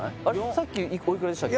さっきおいくらでしたっけ？